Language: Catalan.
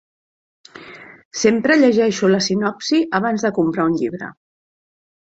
Sempre llegeixo la sinopsi abans de comprar un llibre.